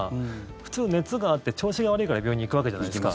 普通、熱があって調子が悪いから病院に行くわけじゃないですか。